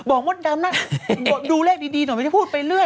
บอกหมดดำนั่งดูเลขดีหนูไม่ได้พูดไปเรื่อย